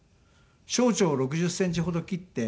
小腸を６０センチほど切って。